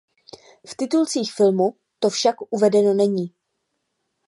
V titulcích filmu to však uvedeno není.